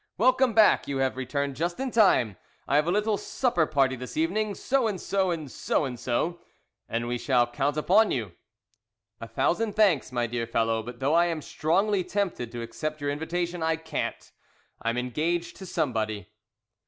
"Welcome back; you have returned just in time. I have a little supper party this evening so and so and so and so and we shall count upon you." "A thousand thanks, my dear fellow; but though I am strongly tempted to accept your invitation, I can't. I am engaged to somebody."